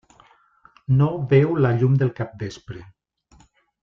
No veu la llum del capvespre.